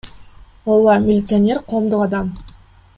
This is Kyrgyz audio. Ооба, милиционер — коомдук адам.